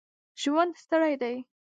ژوند ستړی دی.